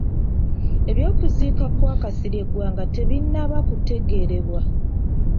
Eby'okuziika kwa Kasirye Gwanga tebinnaba kutegeerebwa.